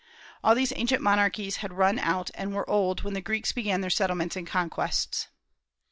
All these ancient monarchies had run out and were old when the Greeks began their settlements and conquests.